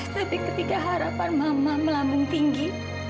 tapi ketika harapan mama melambung tinggi